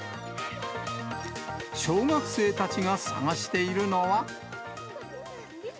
小学生たちが探しているのは。